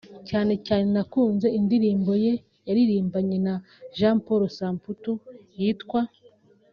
cyane cyane nakunze indirimbo ye yaririmbanye na Jean Paul Samputu yitwa